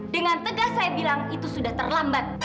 dengan tegas saya bilang itu sudah terlambat